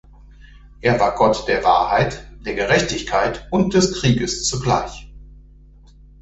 Er war Gott der Wahrheit, der Gerechtigkeit und des Krieges zugleich.